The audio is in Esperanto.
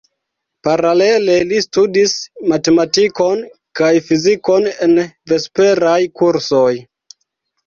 Paralele li studis matematikon kaj fizikon en vesperaj kursoj.